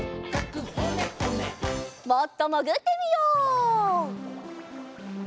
もっともぐってみよう。